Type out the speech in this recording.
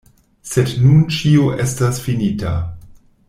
Sed nun ĉio estas finita.